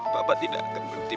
papa tidak akan berhenti